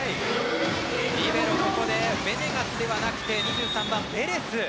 リベロがここでベネガスではなく２３番、ベレス。